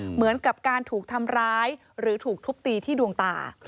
เหมือนกับการถูกทำร้ายหรือถูกทุบตีที่ดวงตา